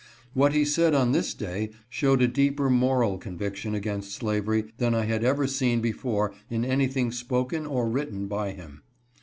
"What he said on this day showed a deeper moral conviction against slavery than I had ever seen before in anything spoken or written by him.